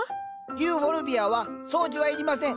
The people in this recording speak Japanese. ユーフォルビアは掃除はいりません。